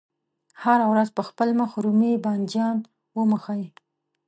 هره ورځ په خپل مخ رومي بانجان وموښئ.